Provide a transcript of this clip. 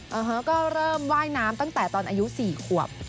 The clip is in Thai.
เขาก็เริ่มว่ายน้ำตั้งแต่ตอนอายุ๔ขวบ